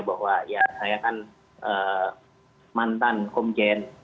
bahwa ya saya kan mantan komjen